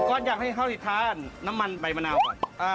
ก็อยากให้เขาทานน้ำมันใบมะนาวก่อน